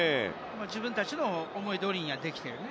自分たちの思い通りにできているね。